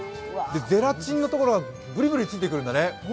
ゼラチンのところがぶりぶりついてくるんだね。